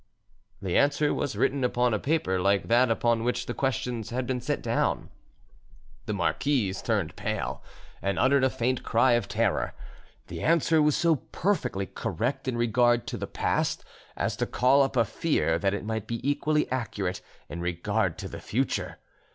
The answer was written upon a paper like that upon which the questions had been set down. The marquise turned pale and uttered a faint cry of terror; the answer was so perfectly correct in regard to the past as to call up a fear that it might be equally accurate in regard to the future.